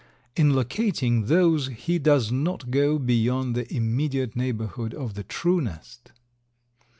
In locating these he does not go beyond the immediate neighborhood of the true nest.